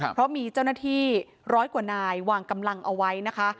เพราะมีเจ้าหน้าที่ร้อยกว่านายวางกำลังเอาไว้นะคะ